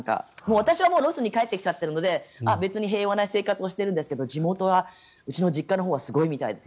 私はロスに帰ってきちゃってるので別に平和な生活をしているんですがうちの実家のほうはすごいみたいです。